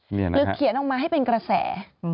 หรือเขียนออกมาให้เป็นกระแส